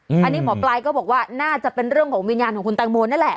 อันนี้หมอปลายก็บอกว่าน่าจะเป็นเรื่องของวิญญาณของคุณแตงโมนั่นแหละ